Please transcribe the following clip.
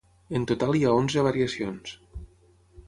En total hi ha onze variacions.